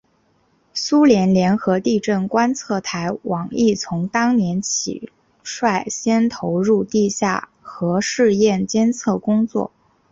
苏联联合地震观测台网亦从当年起率先投入地下核试验监测工作。